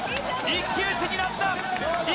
一騎打ちになった！